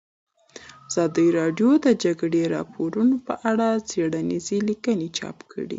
ازادي راډیو د د جګړې راپورونه په اړه څېړنیزې لیکنې چاپ کړي.